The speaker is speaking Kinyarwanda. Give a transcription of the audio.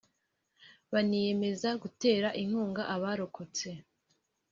baniyemeza gutera inkunga abarokotse